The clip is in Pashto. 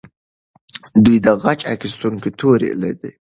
دوی د غچ اخیستونکې تورې لیدلې.